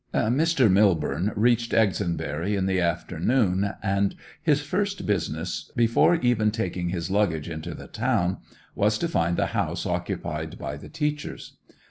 Mr. Millborne reached Exonbury in the afternoon, and his first business, before even taking his luggage into the town, was to find the house occupied by the teachers.